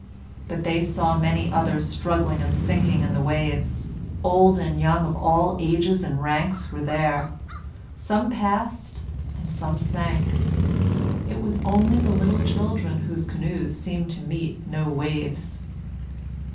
But they saw many others struggling and sinking in the waves. Old and young of all ages and ranks, were there: some passed and some sank. It was only the little children whose canoes seemed to meet no waves.